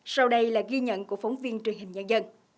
sau đây là ghi nhận của phóng viên truyền hình nhân dân